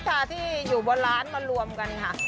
ค่ะที่อยู่บนร้านมารวมกันค่ะ